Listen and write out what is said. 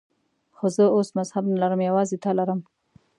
خو زه اوس مذهب نه لرم، یوازې تا لرم.